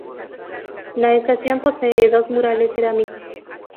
La estación posee dos murales cerámicos.